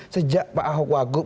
sejak pak ahok wagup